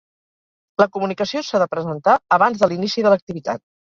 La comunicació s'ha de presentar abans de l'inici de l'activitat.